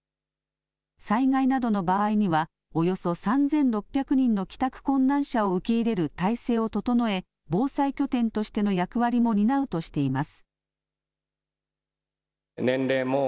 災害などの場合には、およそ３６００人の帰宅困難者を受け入れる態勢を整え、防災拠点としての役割も担うとしています。